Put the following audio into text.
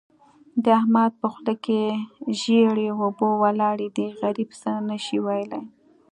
د احمد په خوله کې ژېړې اوبه ولاړې دي؛ غريب څه نه شي ويلای.